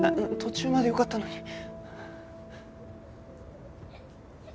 途中までよかったのに。